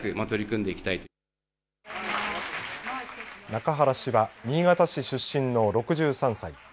中原氏は新潟市出身の６３歳。